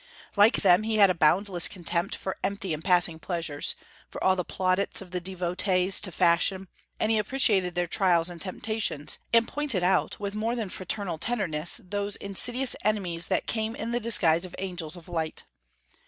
Like them, he had a boundless contempt for empty and passing pleasures, for all the plaudits of the devotees to fashion; and he appreciated their trials and temptations, and pointed out, with more than fraternal tenderness, those insidious enemies that came in the disguise of angels of light.